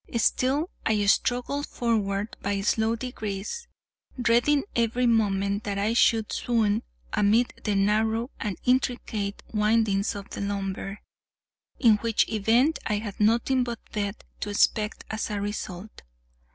Still I struggled forward by slow degrees, dreading every moment that I should swoon amid the narrow and intricate windings of the lumber, in which event I had nothing but death to expect as the result.